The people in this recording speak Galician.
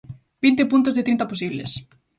Vinte puntos de trinta posibles.